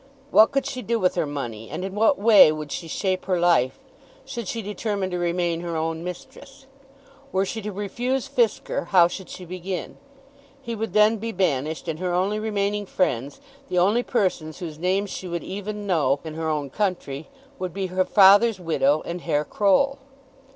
What could she do with her money, and in what way would she shape her life, should she determine to remain her own mistress? Were she to refuse Fisker how should she begin? He would then be banished, and her only remaining friends, the only persons whose names she would even know in her own country, would be her father's widow and Herr Croll.